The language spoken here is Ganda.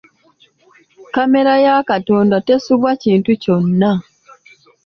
Kkamera ya Katonda tesubwa kintu kyonna.